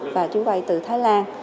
và chuyến bay từ thái lan